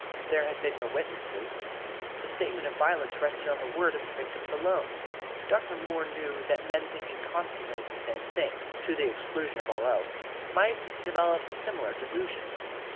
There had been no witnesses. The statement of violence rested on the word of the victims alone. Dr. Moore knew that men thinking constantly of the same thing, to the exclusion of all else, might develop similar delusions.